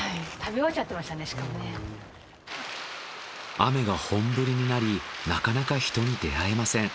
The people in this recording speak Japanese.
雨が本降りになりなかなか人に出会えません。